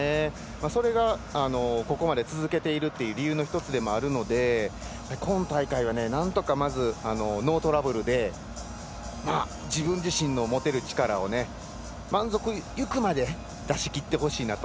それがここまで続けているという理由の１つでもあるので今大会はなんとかまずノートラブルで自分自身の持てる力を満足いくまで出しきってほしいなと。